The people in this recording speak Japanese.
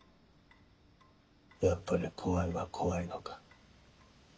やっぱり怖いは怖いのか。